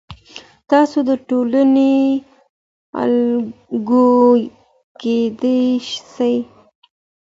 تاسو د ټولنې الګو کیدی سئ.